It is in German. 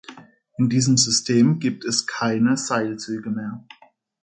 In diesem System gibt es keine Seilzüge mehr.